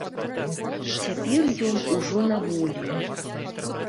Цяпер ён ужо на волі.